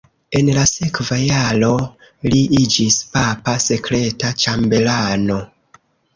En la sekva jaro li iĝis papa sekreta ĉambelano.